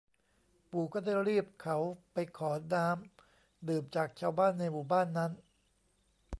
ปู่ก็ได้รีบเขาไปขอน้ำดื่มจากชาวบ้านในหมู่บ้านนั้น